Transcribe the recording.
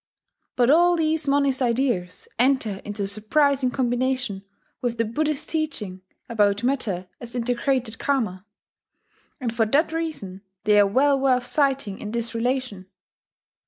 But all these monist ideas enter into surprising combination with the Buddhist teaching about matter as integrated Karma; and for that reason they are well worth citing in this relation.